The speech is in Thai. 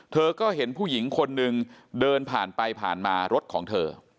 เธอก็เห็นผู้หญิงคนนึงเดินผ่านไปผ่านมารถของเธอ